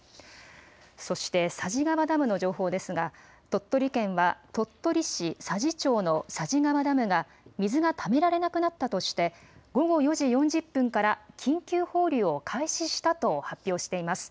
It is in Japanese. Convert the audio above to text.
そして、佐治川ダムの情報ですが、鳥取県は鳥取市佐治町の佐治川ダムが、水がためられなくなったとして、午後４時４０分から緊急放流を開始したと発表しています。